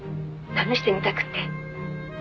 試してみたくって」